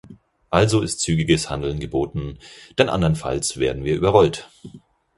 Also ist zügiges Handeln geboten, denn anderenfalls werden wir überrollt.